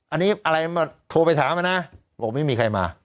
อันนี้อะไรโทรไปถามนะบอกไม่มีใครมา